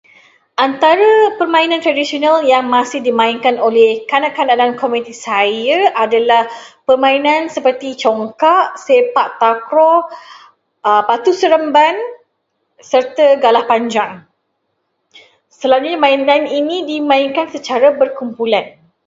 Antara permainan tradisional yan gmasih dimainkan oleh kanak-kanak dalam komuniti saya adalah permainan seperti congkak , sepak takraw, batu seremban, serta galah panjang. Selalunya permainan ini dimainkan secara berkumpulan.